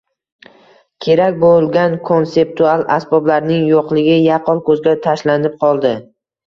kerak bo‘lgan konseptual asboblarning yo‘qligi yaqqol ko‘zga tashlanib qoldi.